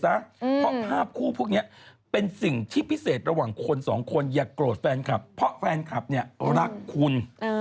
เพราะภาพคู่พวกนี้เป็นสิ่งที่พิเศษระหว่างคนสองคนอย่าโกรธแฟนคลับเพราะแฟนคลับเนี่ยรักคุณ